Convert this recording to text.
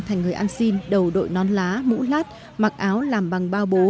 thành người ăn xin đầu đội nón lá mũ lát mặc áo làm bằng bao bố